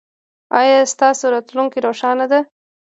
ایا ستاسو راتلونکې روښانه ده؟